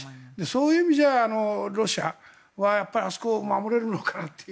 そういう意味じゃロシアはあそこを守れるのかなと。